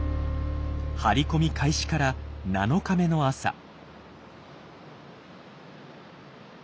張り込み開始から７日目の朝。